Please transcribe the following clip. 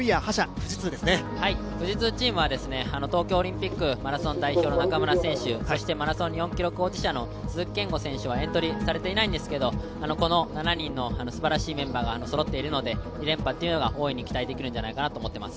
富士通チームは東京オリンピックマラソン代表の中村選手、マラソン日本記録保持者の鈴木健吾選手はエントリーされていないんですが、この７人のすばらしいメンバーがそろっているので２連覇というのが大いに期待できるんじゃないかと思っています。